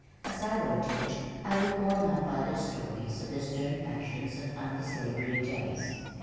As I waited I recalled my father's stories of the stern passions of anti slavery days.